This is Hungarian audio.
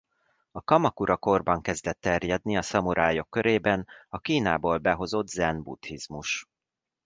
A Kamakura-korban kezdett terjedni a szamurájok körében a Kínából behozott zen buddhizmus.